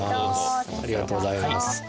ありがとうございます。